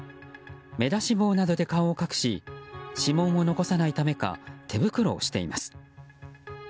目出し帽などで顔を隠し指紋を残さないためか手袋をしています。